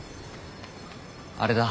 あれだ。